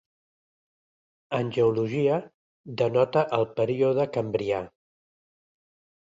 En geologia, denota el període cambrià.